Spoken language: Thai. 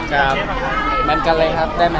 ครับแม่นกันเลยครับได้มั้ย